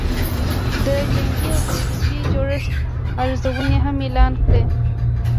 د جنګي او فزیکي جوړښت ارزونې هم اعلان کړې